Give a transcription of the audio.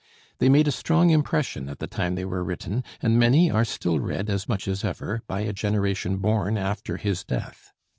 They made a strong impression at the time they were written, and many are still read as much as ever, by a generation born after his death.